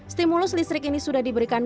stimulus listrik ini sudah diberikan